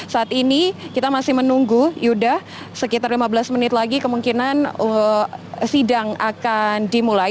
saat ini kita masih menunggu yuda sekitar lima belas menit lagi kemungkinan sidang akan dimulai